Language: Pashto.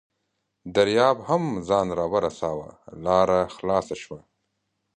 دریاب هم ځان راورساوه، لاره خلاصه شوه.